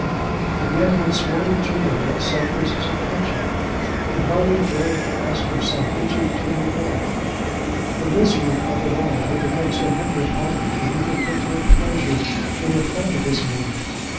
And yet he had sworn to Julia that such was his intention. He hardly dared to ask himself which of the two he loved. The misery of it all had become so heavy upon him, that he could take no pleasure in the thought of his love.